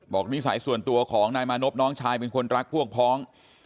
นิสัยส่วนตัวของนายมานพน้องชายเป็นคนรักพวกพ้อง